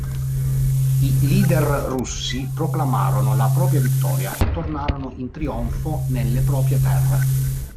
I leader russi proclamarono la propria vittoria e tornarono in trionfo nelle proprie terre.